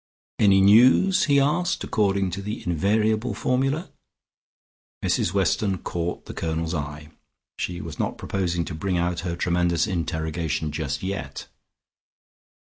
"Any news?" he asked, according to the invariable formula. Mrs Weston caught the Colonel's eye. She was not proposing to bring out her tremendous interrogation just yet.